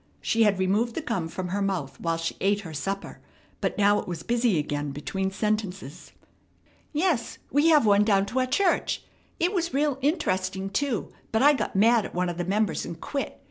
She had removed the gum from her mouth while she ate her supper, but now it was busy again between sentences. "Yes, we have one down to our church. It was real interesting, too; but I got mad at one of the members, and quit.